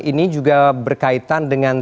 ini juga berkaitan dengan